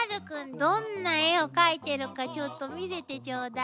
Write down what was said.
どんな絵を描いてるかちょっと見せてちょうだい。